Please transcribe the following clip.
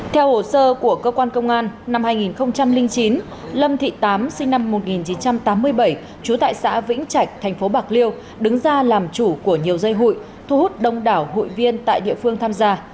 theo hồ sơ của cơ quan công an năm hai nghìn chín lâm thị tám sinh năm một nghìn chín trăm tám mươi bảy trú tại xã vĩnh trạch thành phố bạc liêu đứng ra làm chủ của nhiều dây hụi thu hút đông đảo hụi viên tại địa phương tham gia